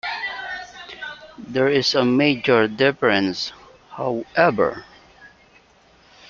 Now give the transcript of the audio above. There is a major difference, however.